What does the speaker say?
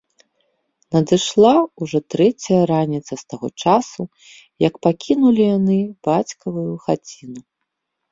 Надышла ўжо трэцяя раніца з таго часу, як пакінулі яны бацькавую хаціну